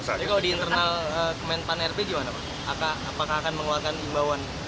tapi kalau di internal menteri pendaya gunaan aparatur negara gimana pak apakah akan mengeluarkan imbauan